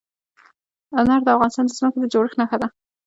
انار د افغانستان د ځمکې د جوړښت نښه ده.